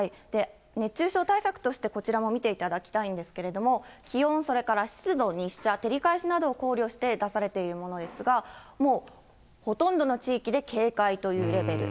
熱中症対策として、こちらも見ていただきたいんですけれども、気温、それから湿度、日射、照り返しなどを考慮して出されているものですが、もうほとんどの地域で警戒というレベル。